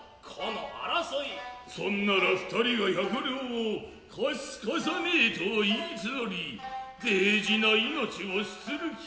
そんなら二人が百両を貸す貸さねえと言いつのり大事な命を捨つる気か。